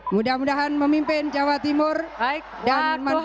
mudah mudahan memimpin jawa timur dan manfaat barokah